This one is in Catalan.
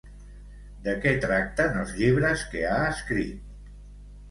De què tracten els llibres que ha escrit?